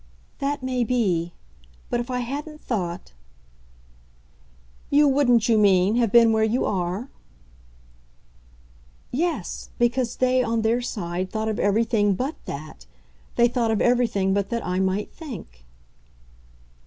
"That may be. But if I hadn't thought !" "You wouldn't, you mean, have been where you are?" "Yes, because they, on their side, thought of everything BUT that. They thought of everything but that I might think."